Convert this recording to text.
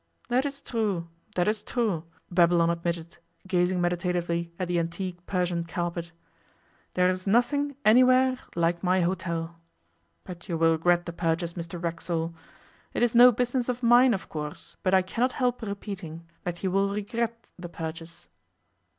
'That is true, that is true,' Babylon admitted, gazing meditatively at the antique Persian carpet. 'There is nothing, anywhere, like my hotel. But you will regret the purchase, Mr Racksole. It is no business of mine, of course, but I cannot help repeating that you will regret the purchase.